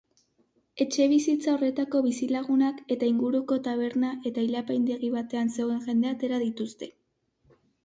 Etxebizitza horretako bizilagunak eta inguruko taberna eta ile-apaindegi batean zegoen jendea atera dituzte.